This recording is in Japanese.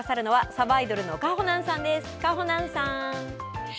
さばいどるのかほなんです。